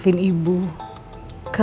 pertama kali ibu harus bisa tegas ke kamu